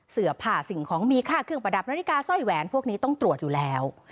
เสื้อผ้าสิ่งของมีค่าเครื่องประดับนาฬิกาสร้อยแหวนพวกนี้ต้องตรวจอยู่แล้ว